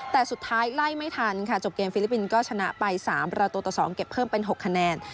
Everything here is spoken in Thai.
แต่สุดท้ายไล่ไม่ทันค่ะจบเกมฟิลิปปินส์ก็ชนะไป๓ประตูต่อ๒เก็บเพิ่มเป็น๖คะแนน